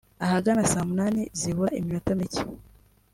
Ahagana saa munani zibura iminota micye